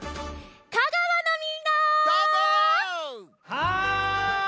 はい！